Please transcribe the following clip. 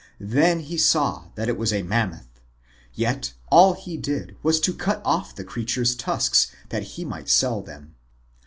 Then he saw that it was a Mammoth. Yet all he did was to cut off the crea ture's tusks that he might sell them.